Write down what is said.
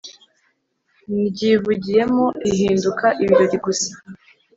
ndyivugiyemo rihinduka ibirori gusa !